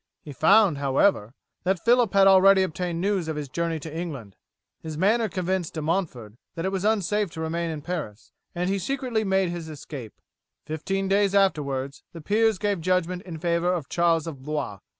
He found, however, that Phillip had already obtained news of his journey to England. His manner convinced De Montford that it was unsafe to remain in Paris, and he secretly made his escape. Fifteen days afterwards the peers gave judgment in favour of Charles of Blois.